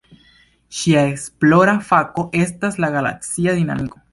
Ŝia esplora fako estas la galaksia dinamiko.